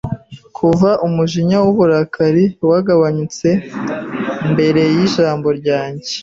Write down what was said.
Kuva umujinya w'uburakari wagabanutse mbere y'ijambo ryanjye